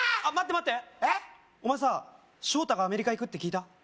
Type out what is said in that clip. あ待って待ってお前さショウタがアメリカ行くって聞いた？